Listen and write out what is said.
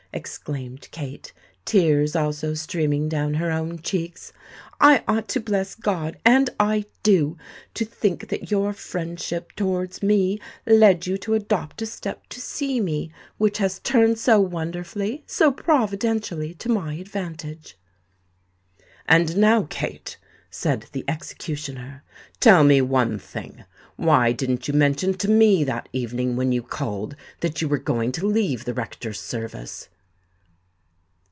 exclaimed Kate, tears also streaming down her own cheeks. "I ought to bless God—and I do—to think that your friendship towards me led you to adopt a step to see me, which has turned so wonderfully—so providentially to my advantage." "And now, Kate," said the executioner, "tell me one thing: why didn't you mention to me that evening when you called, that you were going to leave the rector's service?"